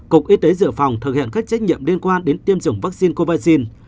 cục y tế dựa phòng thực hiện các trách nhiệm liên quan đến tiêm chủng vaccine covaxin